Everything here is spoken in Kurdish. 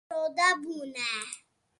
Ew arode bûne.